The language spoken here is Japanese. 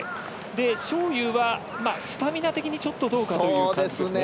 章勇はスタミナ的にちょっと、どうかという感じですね。